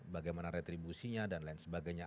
bagaimana retribusinya dan lain sebagainya